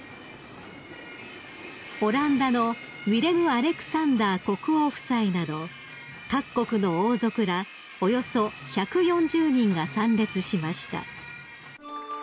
オランダのウィレムアレクサンダー国王夫妻など各国の王族らおよそ１４０人が参列しました］